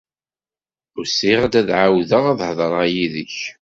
Usiɣ-d ad ɛawdeɣ ad hedreɣ yid-k.